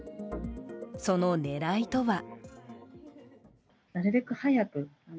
その狙いとは？